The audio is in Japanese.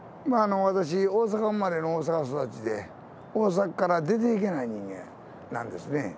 私、大阪生まれの大阪育ちで、大阪から出ていけない人間なんですね。